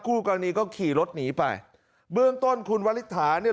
คู่กรณีก็ขี่รถหนีไปเบื้องต้นคุณวริถาเนี่ย